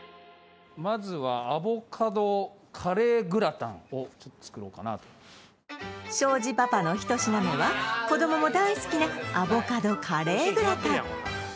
まずはアボカドカレーグラタンをちょっと作ろうかなと庄司パパの１品目は子供も大好きなアボカドカレーグラタン